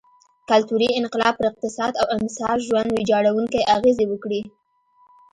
کلتوري انقلاب پر اقتصاد او انسا ژوند ویجاړوونکې اغېزې وکړې.